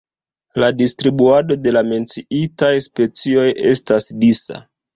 La distribuado de la menciitaj specioj estas disa.